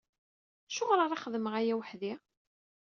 Acuɣer ara xedmeɣ aya weḥd-i?